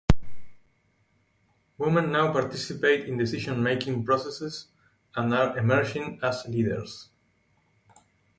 Women now participate in decision-making processes and are emerging as leaders.